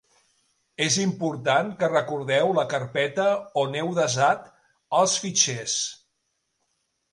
És important que recordeu la carpeta on heu desat els fitxers.